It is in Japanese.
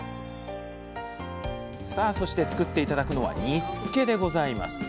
さあそして作って頂くのは煮つけでございます。